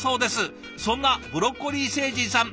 そんなブロッコリー星人さん